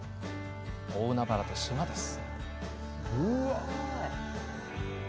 海原と島です。